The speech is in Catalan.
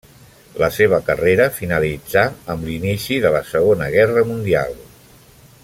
La seva carrera finalitzà amb l'inici de la Segona Guerra Mundial.